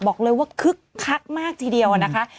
บอกเลยว่าคึกคักมากทีเดียวนะคะ